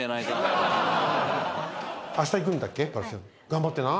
頑張ってな。